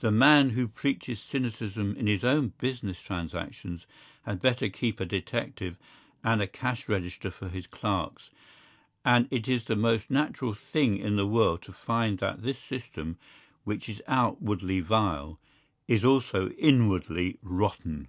The man who preaches cynicism in his own business transactions had better keep a detective and a cash register for his clerks; and it is the most natural thing in the world to find that this system, which is outwardly vile, is also inwardly rotten.